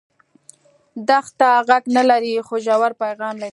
دښته غږ نه لري خو ژور پیغام لري.